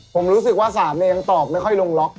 ผมรู้สึกว่าสามเองยังตอบไม่ค่อยลงล็อก